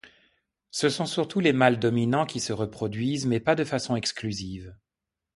Ce sont surtout les mâles dominants qui se reproduisent, mais pas de façon exclusive.